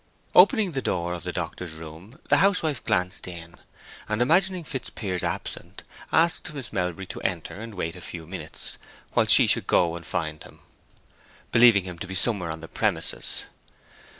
Opening the door of the doctor's room the housewife glanced in, and imagining Fitzpiers absent, asked Miss Melbury to enter and wait a few minutes while she should go and find him, believing him to be somewhere on the premises.